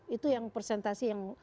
itu yang presentasi yang